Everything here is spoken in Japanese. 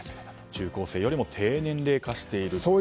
中高生よりも低年齢化していると。